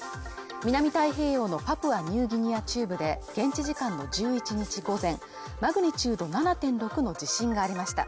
南太平洋のパプアニューギニア中部で現地時間の１１日午前マグニチュード７．６の地震がありました